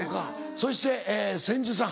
そして千住さん。